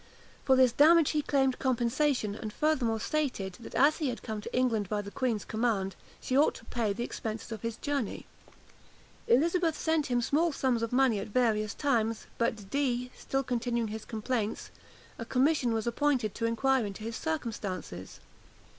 For this damage he claimed compensation; and furthermore stated, that, as he had come to England by the queen's command, she ought to pay the expenses of his journey. Elizabeth sent him small sums of money at various times; but Dee still continuing his complaints, a commission was appointed to inquire into his circumstances.